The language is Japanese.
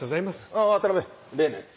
あぁ渡辺例のやつ。